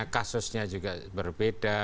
kasusnya juga berbeda